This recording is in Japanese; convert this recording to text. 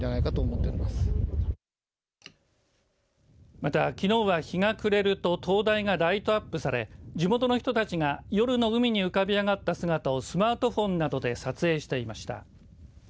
また、きのうは日が暮れると灯台がライトアップされ地元の人たちが夜の海に浮かび上がった姿をスマートフォンなどで撮影していました。